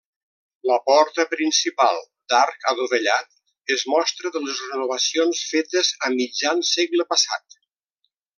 La porta principal, d'arc adovellat, és mostra de les renovacions fetes a mitjan segle passat.